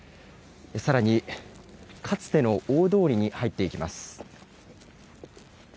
さらに、かつての大通りに入っていきます。